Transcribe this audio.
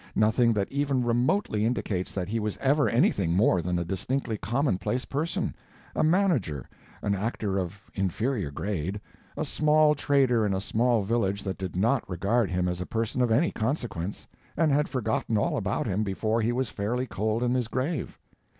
Nothing that even remotely indicates that he was ever anything more than a distinctly commonplace person—a manager, an actor of inferior grade, a small trader in a small village that did not regard him as a person of any consequence, and had forgotten all about him before he was fairly cold in his grave.